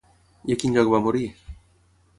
I a quin lloc va morir?